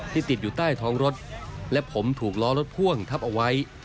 ติดอยู่ใต้ท้องรถและผมถูกล้อรถพ่วงทับเอาไว้